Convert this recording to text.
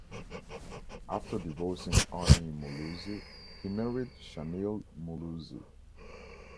After divorcing Annie Muluzi, he married Shanil Muluzi.